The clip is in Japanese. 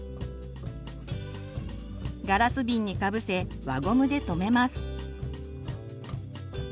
ガラス瓶にかぶせ輪ゴムで留めます。